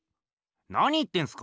なに言ってんすか？